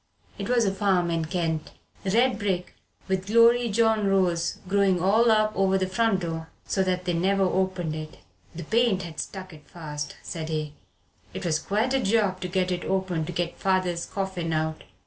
It was a farm in Kent "red brick with the glorydyjohn rose growin' all up over the front door so that they never opened it." "The paint had stuck it fast," said he, "it was quite a job to get it open to get father's coffin out.